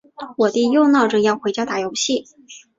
我弟又闹着要回家打游戏。